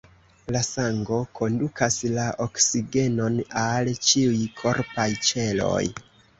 La sango kondukas la oksigenon al ĉiuj korpaj ĉeloj.